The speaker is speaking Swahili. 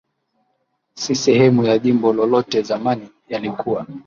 si sehemu ya jimbo lolote Zamani yalikuwa